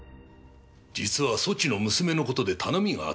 実はそちの娘のことで頼みがあってのう。